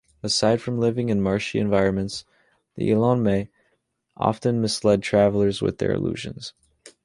Aside from living in marshy environments, the Eleionomae often misled travelers with their illusions.